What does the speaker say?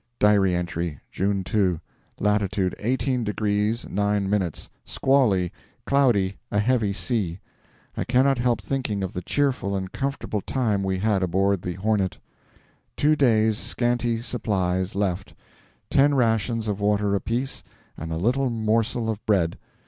(Diary entry) June 2. Latitude 18 degrees 9 minutes. Squally, cloudy, a heavy sea.... I cannot help thinking of the cheerful and comfortable time we had aboard the 'Hornet.' Two days' scanty supplies left ten rations of water apiece and a little morsel of bread.